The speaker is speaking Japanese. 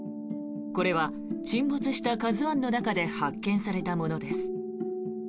これは沈没した「ＫＡＺＵ１」の中で発見されたものです。